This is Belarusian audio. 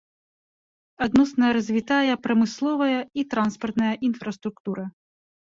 Адносна развітая прамысловая і транспартная інфраструктура.